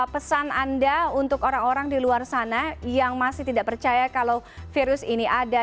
pesan anda untuk orang orang di luar sana yang masih tidak percaya kalau virus ini ada